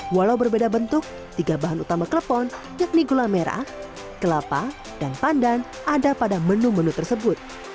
walau berbeda bentuk tiga bahan utama klepon yakni gula merah kelapa dan pandan ada pada menu menu tersebut